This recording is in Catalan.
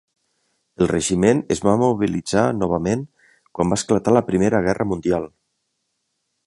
El regiment es va mobilitzar novament quan va esclatar la Primera Guerra Mundial.